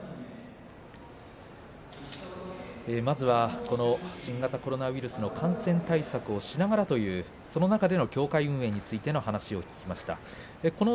まずは新型コロナウイルスの感染対策をしっかりしながらということでその中で協会運営についてお話を伺いました。